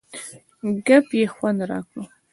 ګپ یې خوند را کړ.